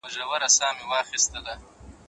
د اوږدې کاري اونۍ پایله د ستړیا زیاتوالی دی.